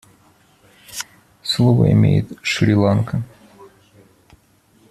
Слово имеет Шри-Ланка.